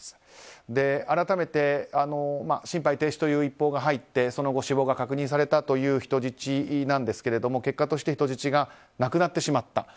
改めて心肺停止という一報が入ってその後、死亡が確認されたという人質なんですが結果として人質が亡くなってしまった。